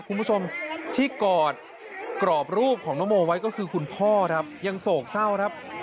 คุณผู้ชมที่กอดกรอบรูปของน้องโมไว้ก็คือคุณพ่อครับยังโศกเศร้าครับ